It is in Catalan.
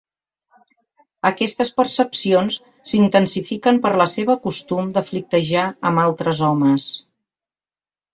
Aquestes percepcions s"intensifiquen per la seva costum de flirtejar amb altres homes.